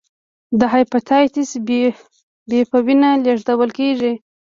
د هپاتایتس بي په وینه لېږدول کېږي.